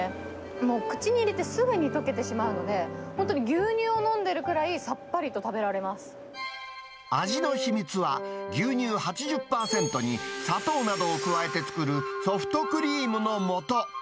もう口に入れて、すぐにとけてしまうので、本当に牛乳を飲んでるくらい、さっぱり味の秘密は、牛乳８０％に砂糖などを加えて作るソフトクリームのもと。